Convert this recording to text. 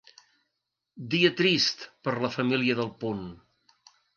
Dia trist per a la família d’El Punt.